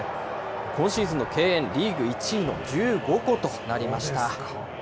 今シーズンの敬遠、リーグ１位の１５個となりました。